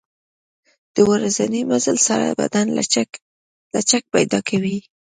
د ورځني مزل سره بدن لچک پیدا کوي.